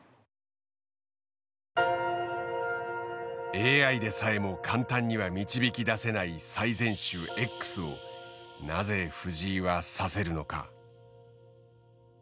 ＡＩでさえも簡単には導き出せない最善手Ｘをなぜ藤井は指せるのか。